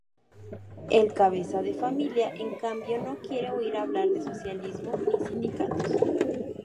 El cabeza de familia, en cambio, no quiere oír hablar de socialismo ni sindicatos.